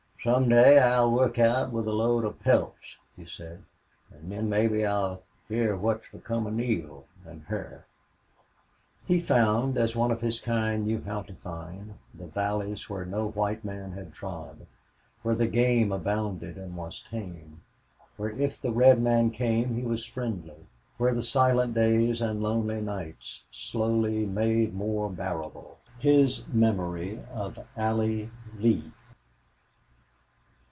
"Some day I'll work out with a load of pelts," he said, "an' then mebbe I'll hyar what become of Neale an' her." He found, as one of his kind knew how to find, the valleys where no white man had trod where the game abounded and was tame where if the red man came he was friendly where the silent days and lonely nights slowly made more bearable his memory of Allie Lee.